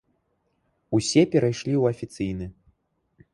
Усе перайшлі ў афіцыйны.